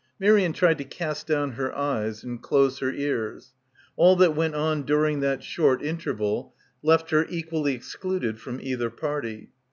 Miriam tried to cast down her eyes and close her ears. All that went on during that short interval left her equally excluded from either party.